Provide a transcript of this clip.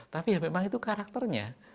tapi ya memang itu karakternya